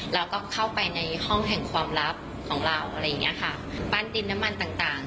เราก็เข้าไปในห้องแห่งความลับของเราอะไรอย่างเงี้ยค่ะปั้นดินน้ำมันต่างต่าง